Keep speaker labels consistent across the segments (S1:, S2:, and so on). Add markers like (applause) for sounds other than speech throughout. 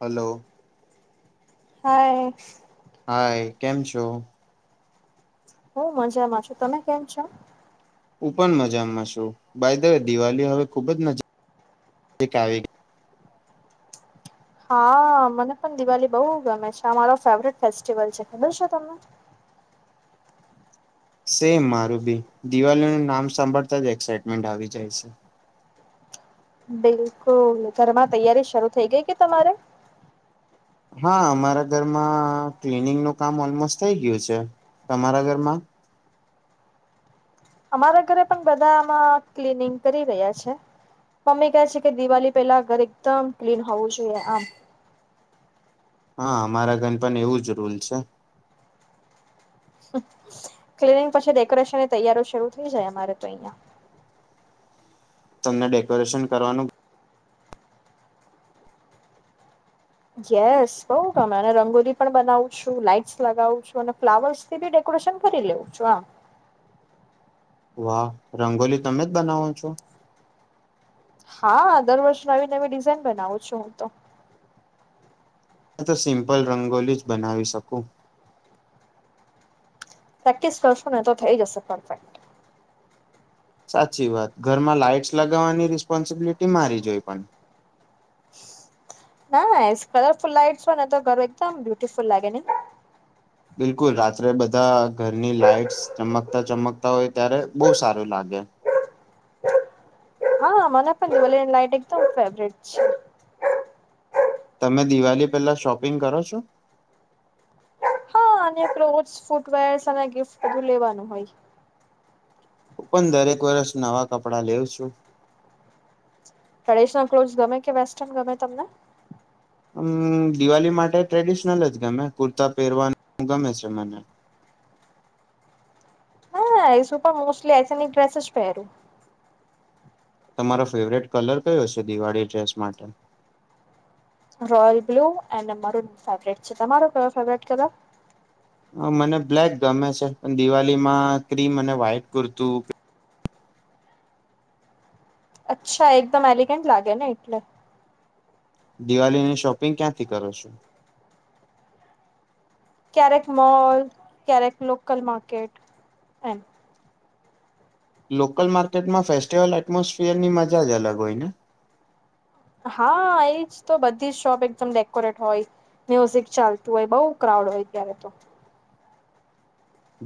S1: Hello.
S2: Hi.
S1: Hi. કેમ છો?
S2: હું મજામાં છું. તમે કેમ છો?
S1: હું પણ મજામાં છું. બાઈ દવે દિવાળી હવે ખુબ જ નજીક આવી ગઈ
S2: હા, મને પણ દિવાલી બઉ ગમે છે. આ મારો ફેવરેટ ફેસ્ટિવલ છે. ખબર છે તમને?
S1: સેમ મારું બી. દિવાલીનું નામ સાંભળતા જ એક્સાાઈટમેન્ટ આવી જાય છે.
S2: બિલકુલ. ઘરમાં તૈયારી શરૂ થઇ ગઈ કે તમારે?
S1: હા, અમારા ઘરમાં ક્લનિંગનું કામ ઓલમોસ્ટ થઈ ગયું છે. તમારા ઘરમાં?
S2: અમારા ઘરે પણ બધામાં ક્લિનિંગ કરી રહ્યા છે. મમ્મી કહે છે કે દિવાળી પેલા ઘર એકદમ ક્લીન હોવું જોઈએ આમ.
S1: હા, અમારા ઘન પણ એવું જ રૂલ છે.
S2: ક્લીનિંગ પછી ડેકોરેશનની તૈયારીઓ શરૂ થઈ જાય અમારે તો અહિયાં.
S1: તમને ડેકોરેશન કરવાનું
S2: યેસ, બઉ ગમે અને રંગોલી પણ બનાવું છું, લાાઈટ્સ લગાવું છું અને ફ્લાવર્સ થી બી ડેકોરેશન કરી લઉ છું હાં.
S1: વાહ! રંગોલી તમે જ બનાવો છો?
S2: હા, દર વર્ષ નવી-નવી ડિઝાઇન બનાવું છું હું તો.
S1: મેં તો સિમ્પલ રંગોલી જ બનાવી શકું.
S2: પ્રેક્ટિસ કરશોને તો થઈ જશે પરફેક્ટ.
S1: સાચી વાત. ઘરમાં લાઈટ્સ લગાવાની રિસ્પોન્સિબિલિટી મારી જ હોય પણ.
S2: નાઈસ, કલરફુલ લાઈટ્સ હોયને તો ઘર એકદમ બ્યુટીફુલ લાગે નઈ.
S1: બિલકુલ, રાત્રે બધા ઘરની લાાઈટસ ચમકતા-ચમકતા હોય ત્યારે બઉ સારું લાગે.
S2: હા, મને પણ (unintelligible) એકદમ ફેવટ છે.
S1: તમે દિવાલી પેલા શોપિંગ કરો છો?
S2: મને ક્લોથસ, ફૂટવેર્ અને ગિફ્ટ બધું લેવાનું હોય.
S1: હું પણ દરેક વર્ષ નવા કપડા લેઉ છું.
S2: ટ્રેડિશનલ ક્લોથ ગમે કે વેસ્ટર્ન ગમે તમને?
S1: હમ, દિવાલી માટે ટ્રેડિશનલ જ ગમે કુર્તા પહેરવાનું ગમે છે મને.
S2: નાઈસ, હુ પણ મોસ્ટલી (unintelligible) ડ્રેસેસ જ પહેરું.
S1: તમારો ફેવરેટ કલર કયો છે દિવાળી ડ્રેસ માટે?
S2: Royal blue and maroon favourite છે. તમારો કયો ફેવરેટ કલર?
S1: અ મને બ્લેક ગમે છે, પણ દિવાલીમાં ક્રીમ અને વ્હાઈટ કુરતું
S2: અચ્છા, એકદમ એલિગેન્ટ લાગેને એટલે.
S1: દિવાલીની શોપિંગ ક્યાંથી કરો છો?
S2: ક્યારેક મોલ, ક્યારેક લોકલ માર્કેટ એમ.
S1: લોકલ માર્કેટમાં ફેસ્ટિવલ એટમોસફિયરની મજા જ અલગ હોય ને.
S2: હા, એજ તો બધી જ શોપ એકદમ ડેકોરેટ હોય. મ્યુઝિક ચાલતું હોય બઉ ક્રાઉડ હોય ત્યારે તો.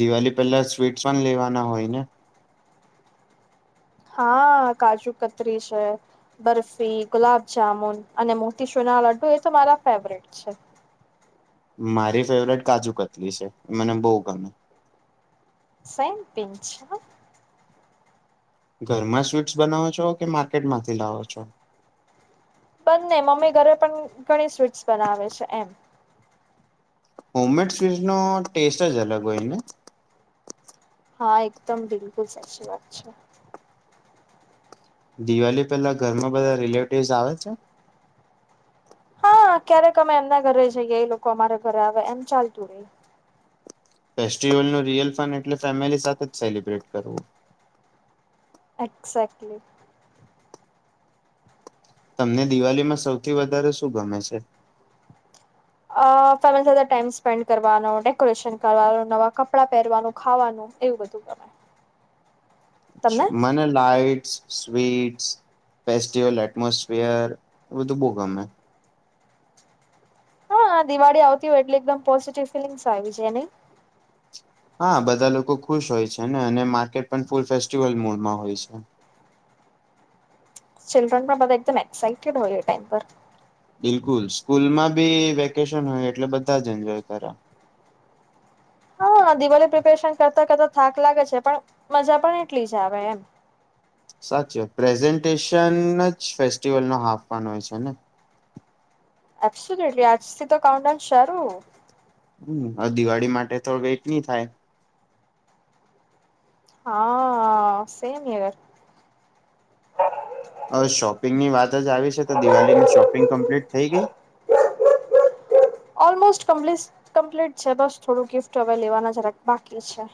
S1: દિવાલી પેલા સ્વીટસ પણ લેવાના હોય ને.
S2: હા, કાજુ કતરી છે બરફી, ગુલાબજામુન અને મોતીચૂરના લડ્ડુ એ તો મારા ફેવરેટ છે.
S1: મારી ફેવરેટ કાજુ કતલી છે, મને બઉ ગમે.
S2: સેમ પિન્ચ હન.
S1: ઘરમાં સ્વીટ્સ બનાવો છો કે માર્કેટમાંથી લાવો છો?
S2: બંને મમ્મી ઘરે પણ ઘણી સ્વીટ્સ બનાવે છે એમ.
S1: હોમમેડ સ્વીઝનો ટેસ્ટ જ અલગ હોયને.
S2: હા, એકદમ બિલકુલ સાચી વાત છે.
S1: દિવાલી પેલા ઘરમાં બધા રિલેટિવસ આવે છે?
S2: હા, ક્યારેક અમે એમના ઘરે જઈએ એ લોકો અમારા ઘરે આવે એમ ચાલતું રે.
S1: ફેસ્ટિવલનું રિયલ ફન એટલે ફેમિલી સાથે જ સેલિબ્રેટ કરવું.
S2: એક્ઝેક્ટલી.
S1: તમને દિવાલીમાં સૌથી વધારે શું ગમે છે?
S2: અ ફેમિલી સાથે ટાઈમ સ્પેન્ડ કરવાનો ડેકોરેશન કરવાનો નવા કપડાં પહેરવાનું ખાવાનું એવું બધું ગમે તમને
S1: અચ્છા મને લાઈટ્સ સ્વીટસ ફેસ્ટિવલ એટમોસફિયર બધું બહ ગમે
S2: હા દિવાળીતી હોય એટલે એકદમ પોઝિટિવ ફિલિંગ્સ આવે છે નહી
S1: હા બધા લોકો ખુશ હોય છે ને અને માર્કેટ પણ ફૂલ ફેસ્ટિવલ મૂડ માં હોય છે
S2: ચિલ્ડ્રન પણ બધા એકદમ એક્સાાઈટેડ હોય એ ટાઈમ પર
S1: બિલકુલ સ્કૂલમાં બી વેકેશન હોય એટલે બધા જ એન્જોય કર્યા
S2: હા દિવાળી પ્રિપેરેશન કરતા કરતા થાક લાગે છે પણ મજા પણ એટલી જ આવે એમ
S1: સાચે પ્રેઝન્ટેશન જ ફેસ્ટિવલ નો હાફ ફન હોય છે ને
S2: આપશું નેટ આજ થી તો કાઉડાઉ સારું
S1: હમ હ દિવાળી માટે થોડ વેટ નહી થાય
S2: હા સેમ હીયર
S1: અ શોપિંગ ની વાત જ આવી છે તો દિવાળીની શોપિંગ કમ્પ્લીટ થઈ ગઈ
S2: ઓલમોસ્ટ કમ્પ્લીટ છે બસ થોડું ગિફ્ટ હવે લેવાના જરા બાકી છે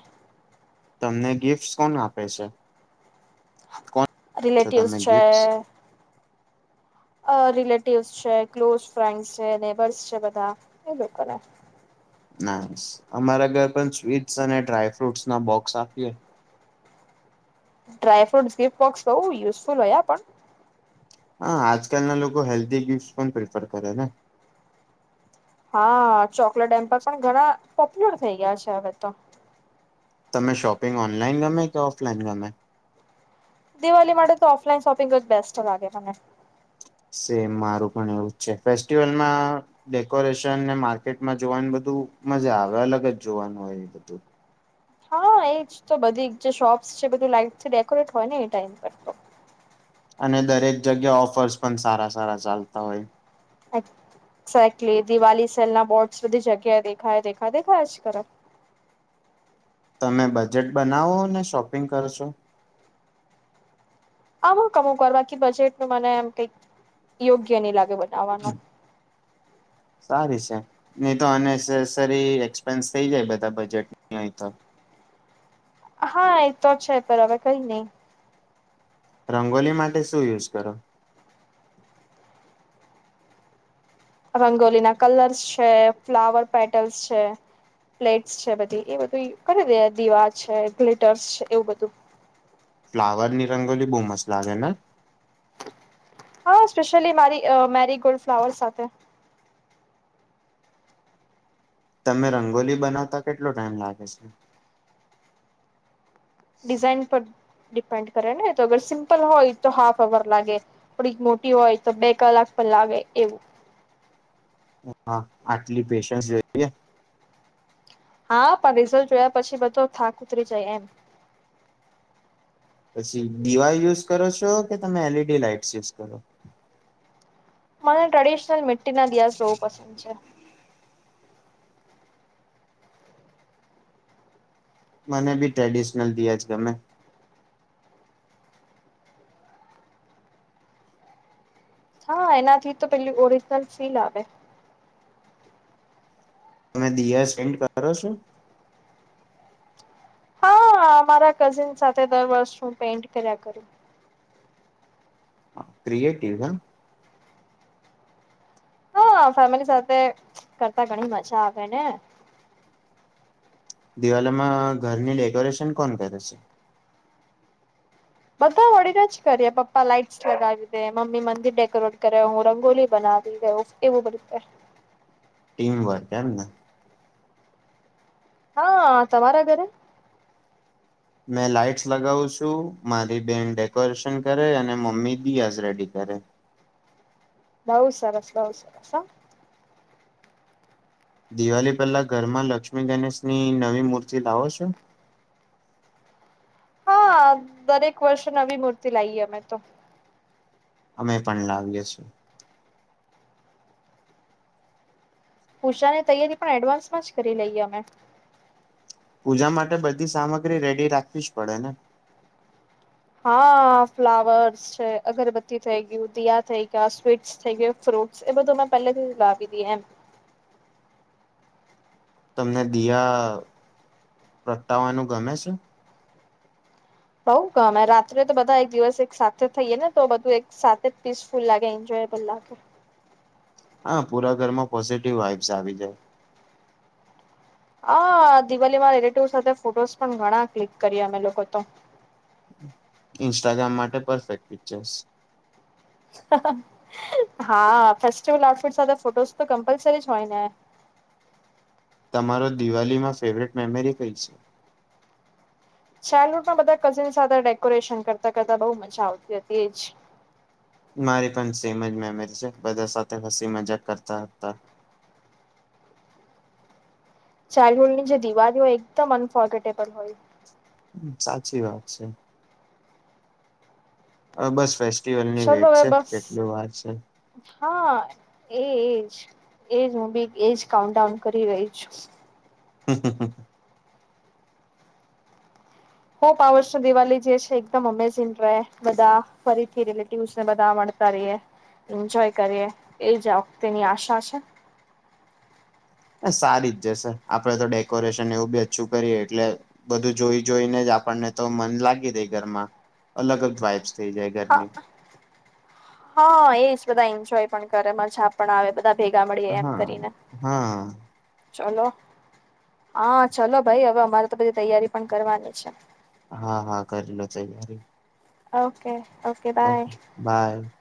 S1: તમને ગિફ્ટ્સ કોણ આપે છે કો
S2: રિલેટિવ્સ છે રિલેટિવસ છે ક્લોઝ ફ્રેન્ડ છે નેબર્સ છે બધા એ લોકોને
S1: નાઇસ અમારા ઘર પણ સ્વીટસ અને ડ્રાયફ્રૂટસ ના બોક્સ આપીએ
S2: ડ્રાયફ્રુટ ગિફ્ટ બોક્સ બહુ યુઝફુલ હોય પણ
S1: હા આજકાલના લોકો હેલ્ધી ગિફ્ટ પણ પ્રેફર કરે ને
S2: હા ચોકલેટ હેમ્પર પણ ઘણા પોપ્યુલર થઈ ગયા છે હવે તો
S1: તમે શોપિંગ ઓનલાઈન ગમે કે ઓફલાઈન ગમે
S2: દિવાળી માટે તો ઓફલાઈન શોપિંગ જ બેસ્ટ લાગે મને
S1: સેમ મારું પણ એવું છે ફેસ્ટિવલમાં ડેકોરેશન ને માર્કેટમાં જોવાની બધું મજા આવે અલગ જ જોવાનું હોય એ બધું.
S2: હા એજ તો બધી જે શોપ્સ છે બધું લાઈટ છે ડેકોરેટ હોય ને એ ટાઈમ પર. તો
S1: અને દરેક જગ્યા ઓફર્સ પણ સારા સારા ચાલતા હોય.
S2: એેકલી દિવાળ સેલ ના બોર્ડ બધી જગ્યાએ દેખાય દેખાય આજ કાલ.
S1: તમે બજેટ બનાવો ને શોપિંગ કરશો.
S2: અમુક અમુક વાર બાકી બજેટ ત મને એમ કઈક યોગ્ય નહી લાગે બનાવવાનું. (inaudible)
S1: સારી છે નહી તો અનેસેસરી એક્સપેન્સ થઈ જાય બધા બજેટનો-
S2: હા એ તો છે પર હવે કઈ નહી.
S1: રંગોલી માટે શું યુઝ કરો?
S2: રંગોલી ના કલર્સ છે. ફ્લાવર પેટર્નસ છે. પ્લેટ્સ છે બધી એ બધું કરી દે દીવા છે દિવા છે એવું બધું-
S1: ફ્લાવર ની રંગોલી બહુ મસ્ત લાગે ને-
S2: હા સ્પેશ્યયલી મારી મેરી ગોલ્ડ ફ્લાવર સાથે-
S1: તમે રંગોલી બનાવતા કેટલો ટાઈમ લાગે છે?
S2: ડિઝાઇન પર ડિપેન્ડ કરે ને તો અગર સિમ્પલ હોય તો હાફ અવર લાગે. થોડીક મોટી હોય તો બે કલાક પણ લાગે એવુ
S1: હા આટલી પેશન્સ જોઈએ.
S2: હા પણ રિઝલ્ટ જોયા પછી બધો થાક ઉતરી જાય એમ-
S1: પછી દિવાલ યુઝ કરો છો? કે તમે એલઈડી લાઈટસ યુઝ કરો?
S2: મને ટ્રેડિશનલ મિ્ટી ના દીવાસ બહુ પસંદ છે.
S1: મને બી ટ્રેડિશનલ દીવા જ ગમે.
S2: હા એનાથી તો પેલી ઓરિજનલ ફીલ આવે.
S1: તમે દિયા સેન્ડ કરો છો?
S2: હા મારા કઝિન સાથે દર વર્ષ હું પેઇન્ટ કર્યા કરું.
S1: હ ક્રિએેટીવ
S2: ફેમિલી સાથે કરતા ઘણી મજા આવે ને.
S1: દિવાળી માં ઘરની ડેકોરેશન કોણ કરે છે?
S2: બધા મળીને જ કરીએ પપ્પા લાઈટસ લગાવી દે મમ્મી મંદિર ડેકોરેટ કરે હું રંગોલી બનાવી દેઉ. એવું બધું-
S1: ટીમવર્ક એમ ને-
S2: હા તમારા ઘરે
S1: મેં લાાઈટ્સ લગાવું છું. મારી બેન ડેકોરેશન કરે અને મમ્મી દિયાસ રેડી કરે.
S2: બહું સરસ બહું સરસ
S1: દિવાળી પહેલા ઘરમાં લક્ષ્મી ગણેશની નવી મૂર્તિ લાવો છો?
S2: હા દરેક વર્ષે નવી મૂર્તિ લાવીએ અમે.
S1: અમે પણ લાવીએ છે.
S2: પૂજાની તૈયારી પણ એડવાન્સમાં જ કરી લઈએ અમે.
S1: પૂજા માટે બધી સામગ્રી રેડી રાખવી જ પડે.
S2: હા ફ્લાવર્સ છે અગરબત્તી થઈ ગયું દયા થઈ ગયા સ્વીટ્સ થઈ ગયું ફ્રૂટ એ બધું મેં પહેલેથી લાવી દી એમ
S1: તમને દયા પ્રગટાવવાનું ગમે છે.
S2: બહું કામ રાત્રે તો બધા એક દિવસ એક સાથે થઈએે ને તો બધું એક સાથે જ ફુલ્લાગે એન્જોય પેલા
S1: હા પુરા ઘરમાં પોઝિટિવ વાઇબ્સ આવી જાય.
S2: હા દિવાલીમાં રિલેટિવ સાથે ફોટોસ પણ ઘણા ક્લિક કરી અમે લોકો તો.
S1: ઇન્સ્ટાગ્રામ માટે પરફેક્ટ પિક્ચર્સ છે.
S2: હા ફેસ્ટિવલ આઉટફિટ સાથે ફોટો તો કમ્પલસરી હોય ને.
S1: તમારો દિવાળી માં ફેવરેટ મેમરી કઈ છે?
S2: ચાઇલ્ડહુડમાં બધા કઝિન સાથે ડેકોરેશન કરતા કરતાં બહુ મજા આવતી હતી એજ.
S1: મારી પણ સેમ જ મેમરી છે બધા સાથે હસી મજાક કરતા.
S2: ચાઇલ્ડહુડ ની જે દિવાળ હોય એકદમ અનફોર્ગટેબલ હોય.
S1: હ સાચી વાત છે. અ બસ ફેસ્ટિવલની વેટ
S2: ચલો હવે
S1: છે
S2: બસ
S1: કેટલ વાત છે.
S2: હા એજ. એજ હું બી એજ કાઉન્ટ ડાઉન કરી રહી છું.
S1: હમ હમ હમ.
S2: હોપ આ વર્ષનો દિવાળી જે છે એકદમ અમેઝિંગ રહે બધા ફરીથી રિલેટિવસ ને બધા. કરીએ એન્જોય કરીએ એ જ વખતેની આશા છે.
S1: સારી જ જ સર આપડે તો ડેકોરેશન એવું બી ઓછું કરીએ એટલે. બધું જોઈ જોઈને જ આપણને તો મન લાગી રહી ઘરમાં અલગ અલગ વાઇબ્સ.
S2: હા હા એજ બધા એન્જોય પણ કરે મજા પણ આવે બધા. ભેગા મળીએ એમ
S1: હા
S2: કરીને.
S1: હા
S2: ચલો હા ચલો ભાઈ હવે અમારે તો બધી તૈયારી પણ કરવાની છે.
S1: હા હા કરી લો તૈયારી.
S2: Okay okay bye.
S1: બાય.